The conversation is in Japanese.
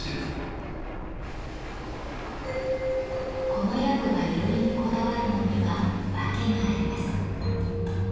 この宿が囲炉裏にこだわるのには訳があります。